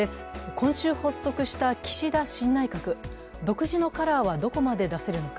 今週発足した岸田新内閣、独自のカラーはどこまで出せるのか？